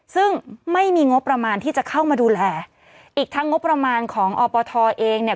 ซึ่งไม่มีงบประมาณที่จะเข้ามาดูแลอีกทั้งงบประมาณของอปทเองเนี่ย